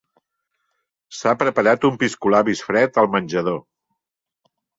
S'ha preparat un piscolabis fred al menjador.